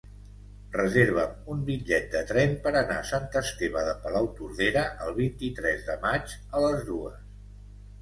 Reserva'm un bitllet de tren per anar a Sant Esteve de Palautordera el vint-i-tres de maig a les dues.